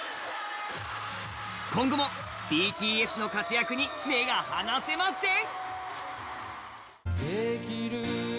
今後もＢＴＳの活躍に目が離せません。